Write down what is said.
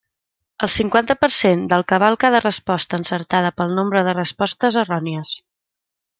El cinquanta per cent del que val cada resposta encertada pel nombre de respostes errònies.